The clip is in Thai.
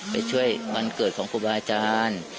ไปช่วยวันเกิดของครูบาอาจารย์